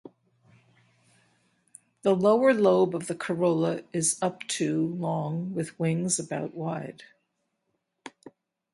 The lower lobe of the corolla is up to long with wings about wide.